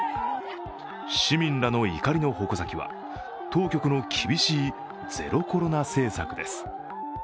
市民らの怒りの矛先は当局の厳しいゼロコロナ政策です。